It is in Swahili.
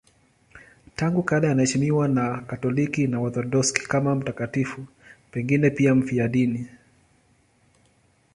Tangu kale anaheshimiwa na Wakatoliki na Waorthodoksi kama mtakatifu, pengine pia mfiadini.